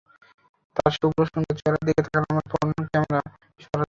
তার শুভ্র-সুন্দর চেহারার দিকে তাকালে আমার ফ্রন্ট ক্যামেরা সরাতে পারি না।